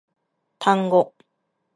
単語